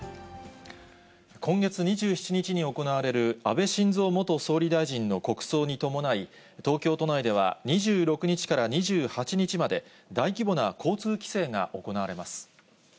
今月２７日に行われる安倍晋三元総理大臣の国葬に伴い、東京都内では２６日から２８日まで、大規模な交通規制が行われます。